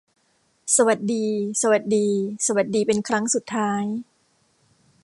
สวัสดี สวัสดี สวัสดีเป็นครั้งสุดท้าย